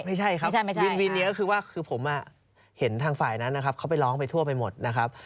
ไม่ใช่ครับวินวินนี้ก็คือว่าคือผมเห็นทางฝ่ายนั้นนะครับเขาไปร้องไปทั่วไปหมดนะครับ